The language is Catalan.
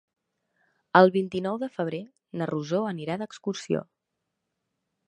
El vint-i-nou de febrer na Rosó anirà d'excursió.